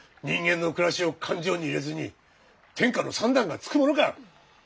人間の暮らしを勘定に入れずに天下の算段がつくものか。